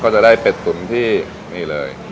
ก็จะได้เป็ดตุ๋นที่นี่เลย